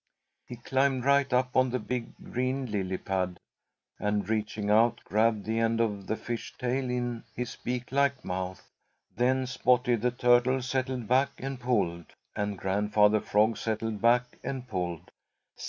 He climbed right up on the big green lily pad, and reaching out, grabbed the end of the fish tail in his beak like mouth. Then Spotty the Turtle settled back and pulled, and Grandfather Frog settled back and pulled.